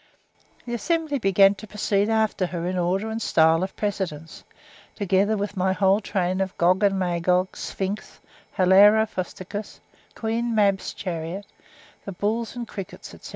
The assembly began to proceed after her in order and style of precedence, together with my whole train of Gog and Magog, Sphinx, Hilaro Frosticos, Queen Mab's chariot, the bulls and crickets, &c.